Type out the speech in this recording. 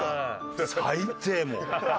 最低もう。